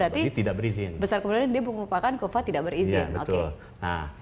nah kalau dia tidak pasang itu berarti besar kebenaran dia merupakan kufa tidak berizin